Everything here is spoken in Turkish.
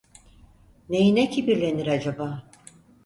Neyine kibirlenir acaba?